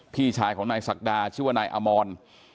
พี่ชายของนายศักดาชื่อว่านายอมร